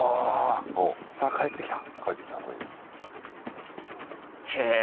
さあ返ってきた。